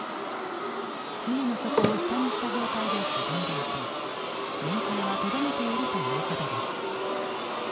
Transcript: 船の底を下にした状態で沈んでいて原形はとどめているということです。